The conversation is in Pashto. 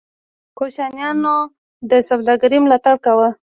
کوشانیانو د سوداګرۍ ملاتړ کاوه